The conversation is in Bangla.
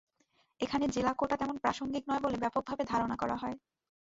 এখানে জেলা কোটা তেমন প্রাসঙ্গিক নয় বলে ব্যাপকভাবে ধারণা করা হয়।